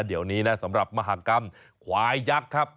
เดี๋ยวนี้นะสำหรับมหากรรมควายยักษ์ครับ